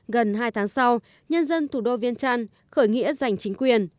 gần hai tháng sau nhân dân thủ đô viên trăn khởi nghĩa giành chính quyền